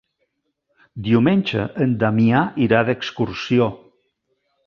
Diumenge en Damià irà d'excursió.